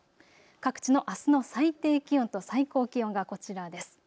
各地のあすの最低気温と最高気温がこちらです。